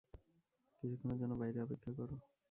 কিছুক্ষণের জন্য বাইরে অপেক্ষা করো।